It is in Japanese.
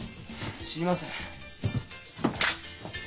知りません。